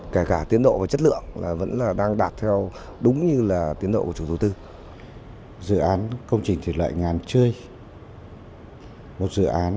kể cả tiến độ và chất lượng vẫn đang đạt theo đúng như là tiến độ của chủ đầu tư